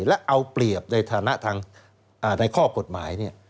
แล้วเอาเปรียบในข้อกฎหมาย